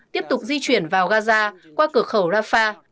tiếp tục di chuyển vào gaza qua cửa khẩu rafah